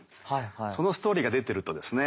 そのストーリーが出てるとですね